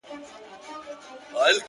سترګي یې ډکي له فریاده په ژباړلو ارزي،